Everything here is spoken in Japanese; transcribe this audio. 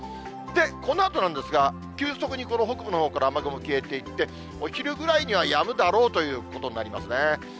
このあとなんですが、急速に北部のほうから雨雲消えていって、お昼ぐらいには、やむだろうということになりますね。